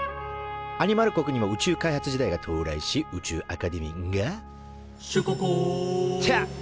アニマル国にも宇宙開発時代が到来し宇宙アカデミーが「シュココ」と誕生。